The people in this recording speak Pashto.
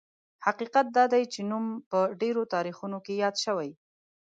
حقیقت دا دی چې نوم په ډېرو تاریخونو کې یاد شوی.